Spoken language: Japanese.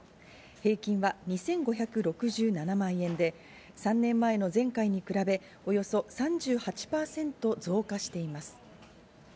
平均は２５６７万円で、３年前の前回に比べ、およそ３８％増加しています。